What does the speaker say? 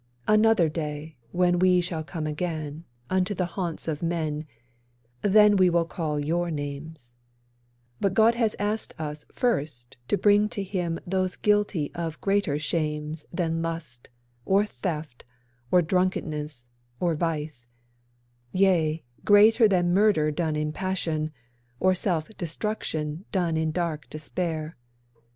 Another day, when we shall come again Unto the haunts of men, Then we will call your names; But God has asked us first to bring to him Those guilty of greater shames Than lust, or theft, or drunkenness, or vice— Yea, greater than murder done in passion, Or self destruction done in dark despair.